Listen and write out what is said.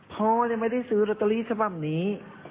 พ่อไม่ได้ซื้อรอเตอรี่แบบนี้